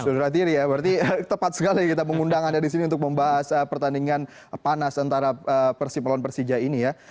saudara tiri ya berarti tepat sekali kita mengundang anda di sini untuk membahas pertandingan panas antara persib melawan persija ini ya